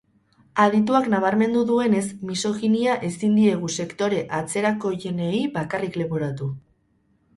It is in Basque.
Adituak nabarmendu duenez, misoginia ezin diegu sektore atzerakoienei bakarrik leporatu.